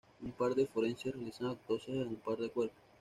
Un par de forenses realizan autopsias a un par de cuerpos.